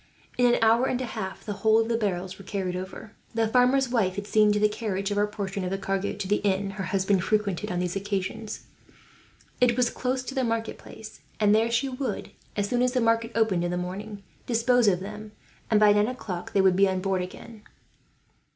In an hour and a half the whole of the barrels were carried over. The farmer's wife had seen to the carriage of her portion of the cargo to the inn her husband frequented on these occasions. It was close to the marketplace, and there she would, as soon as the market opened in the morning, dispose of them; and by nine o'clock they would be on board again.